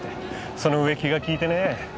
その上気が利いてね。